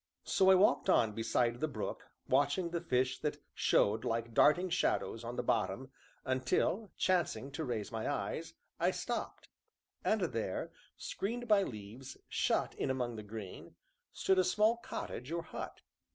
So I walked on beside the brook, watching the fish that showed like darting shadows on the bottom, until, chancing to raise my eyes, I stopped. And there, screened by leaves, shut in among the green, stood a small cottage, or hut.